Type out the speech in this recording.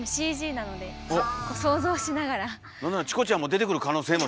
なんならチコちゃんも出てくる可能性も。